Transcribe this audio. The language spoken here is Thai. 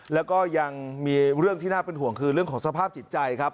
แล้วก็ยังมีเรื่องที่น่าเป็นห่วงคือเรื่องของสภาพจิตใจครับ